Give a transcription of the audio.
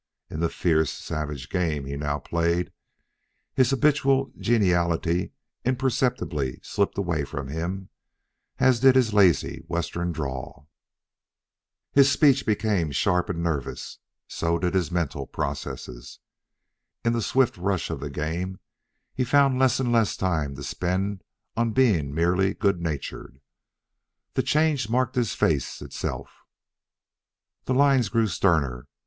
In the fierce, savage game he now played, his habitual geniality imperceptibly slipped away from him, as did his lazy Western drawl. As his speech became sharp and nervous, so did his mental processes. In the swift rush of the game he found less and less time to spend on being merely good natured. The change marked his face itself. The lines grew sterner.